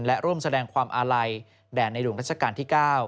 และร่วมแสดงความอาลัยแด่ในหลวงรัชกาลที่๙